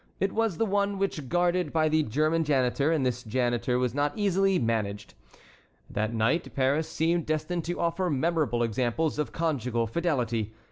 It was the one which was guarded by the German janitor, and this janitor was not easily managed. That night Paris seemed destined to offer memorable examples of conjugal fidelity.